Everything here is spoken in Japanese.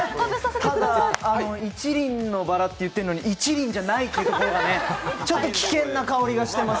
ただ、一輪のばらと言ってるのに一輪じゃないというところがね、危険な香りがします。